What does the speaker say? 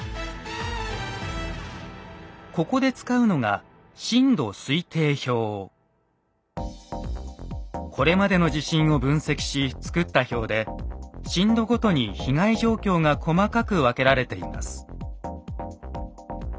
ここで使うのがこれまでの地震を分析し作った表で震度ごとに被害状況が細かく分けられています。